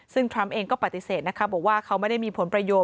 ซึ่งทรัมป์เองก็ปฏิเสธนะคะบอกว่าเขาไม่ได้มีผลประโยชน